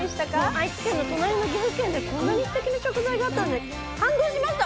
愛知県の隣の岐阜県でこんなにすてきな食材があったんで感動しました。